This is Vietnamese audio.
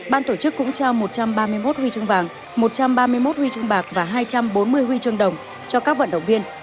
ban tổ chức cũng trao một trăm ba mươi một huy chương vàng một trăm ba mươi một huy chương bạc và hai trăm bốn mươi huy chương đồng cho các vận động viên